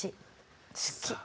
好き。